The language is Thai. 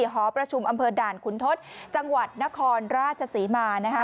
หอประชุมอำเภอด่านขุนทศจังหวัดนครราชศรีมานะคะ